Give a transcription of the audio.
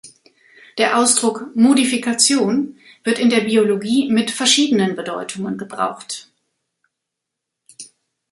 Der Ausdruck „Modifikation“ wird in der Biologie mit verschiedenen Bedeutungen gebraucht.